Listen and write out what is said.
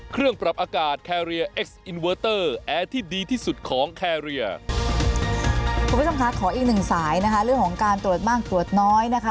คุณผู้ชมคะขออีกหนึ่งสายนะคะเรื่องของการตรวจมากตรวจน้อยนะคะ